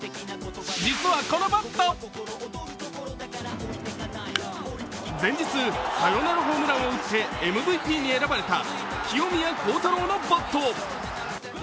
実はこのバット前日サヨナラホームランを打ってМＶＰに選ばれた清宮幸太郎のバット。